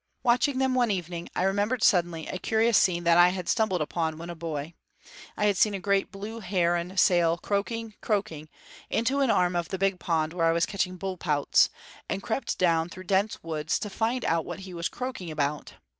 Watching them, one evening, I remembered suddenly a curious scene that I had stumbled upon when a boy. I had seen a great blue heron sail croaking, croaking, into an arm of the big pond where I was catching bullpouts, and crept down through dense woods to find out what he was croaking about.